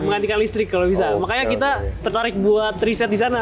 menggantikan listrik kalau bisa makanya kita tertarik buat riset di sana